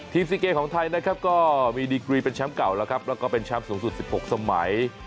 ซีเกมของไทยนะครับก็มีดีกรีเป็นแชมป์เก่าแล้วครับแล้วก็เป็นแชมป์สูงสุด๑๖สมัย